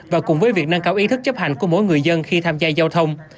và cùng với việc nâng cao ý thức chấp hành của mỗi người dân khi tham gia giao thông